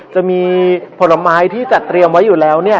จะมีผลไม้ที่จัดเตรียมไว้อยู่แล้วเนี่ย